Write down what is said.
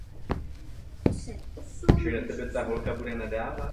Zasadil se o výstavbu železniční tratě Kremže–Grein.